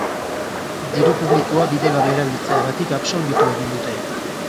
Diru publikoa bidegabe erabiltzeagatik absolbitu egin dute.